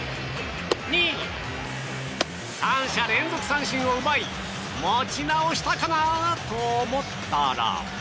１、２、３者連続三振を奪い持ち直したかなと思ったら。